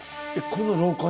この廊下に？